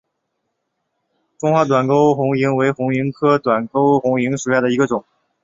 中华短沟红萤为红萤科短沟红萤属下的一个种。